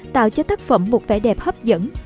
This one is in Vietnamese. tạo cho tác phẩm một vẻ đẹp hấp dẫn